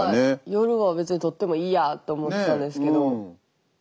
夜は別にとってもいいやって思っちゃうんですけど。